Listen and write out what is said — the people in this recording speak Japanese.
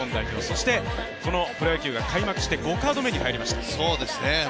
そして、このプロ野球が開幕して５カード目に入りました。